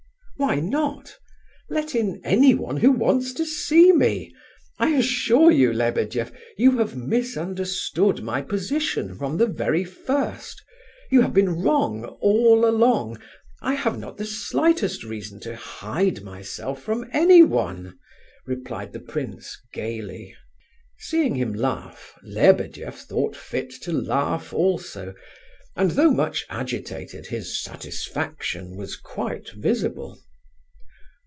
"Why not? Let in anyone who wants to see me. I assure you, Lebedeff, you have misunderstood my position from the very first; you have been wrong all along. I have not the slightest reason to hide myself from anyone," replied the prince gaily. Seeing him laugh, Lebedeff thought fit to laugh also, and though much agitated his satisfaction was quite visible.